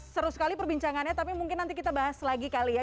seru sekali perbincangannya tapi mungkin nanti kita bahas lagi kali ya